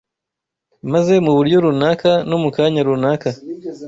maze mu buryo runaka no mu kanya runaka,